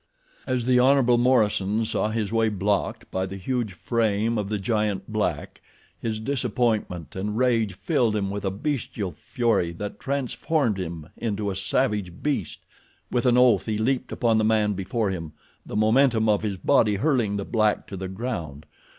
As the Hon. Morison saw his way blocked by the huge frame of the giant black his disappointment and rage filled him with a bestial fury that transformed him into a savage beast. With an oath he leaped upon the man before him, the momentum of his body hurling the black to the ground.